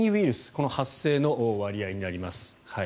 この発生の割合になります。